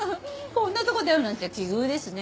こんなとこで会うなんて奇遇ですね。